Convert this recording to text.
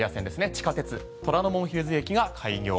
地下鉄虎ノ門ヒルズ駅が開業。